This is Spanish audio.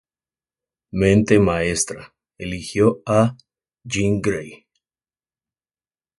Mente Maestra eligió a Jean Grey.